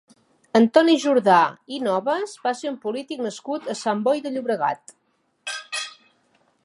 Antoni Jordà i Novas va ser un polític nascut a Sant Boi de Llobregat.